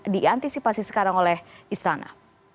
diantisipasi sekarang oleh istana